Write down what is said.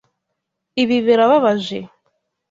Ibi birababaje.